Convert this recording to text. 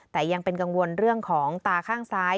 แต่ยังเป็นกังวลเรื่องของตาข้างซ้าย